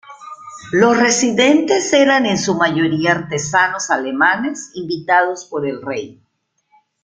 Los residentes eran en su mayoría artesanos alemanes invitados por el rey.